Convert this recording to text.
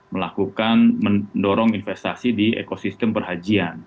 melakukan mendorong investasi di ekosistem perhajian